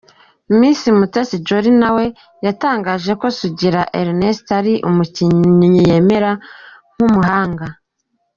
Miss Mutesi Jolly nawe yatangaje ko Sugira Ernest ari umukinnyi yemera nk'umuhanga.